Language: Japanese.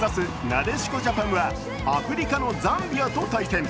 なでしこジャパンはアフリカのザンビアと対戦。